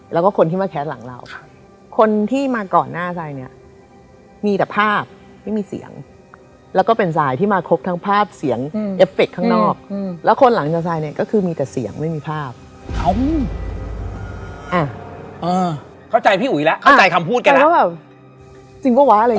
เราก็เอ่อมีถ่ายซีนคุยกัน